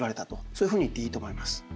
そういうふうに言っていいと思います。